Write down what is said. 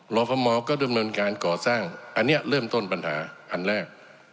ฟมก็ดำเนินการก่อสร้างอันนี้เริ่มต้นปัญหาอันแรก